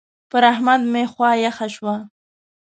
پر احمد مې خوا يخه شوه.